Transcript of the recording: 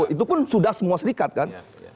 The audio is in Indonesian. itu pun sudah semua serikat kan